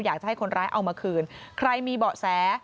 อยากจะให้คนร้ายเอามาคืนใครมีเบาะแส